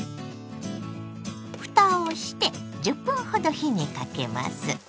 ふたをして１０分ほど火にかけます。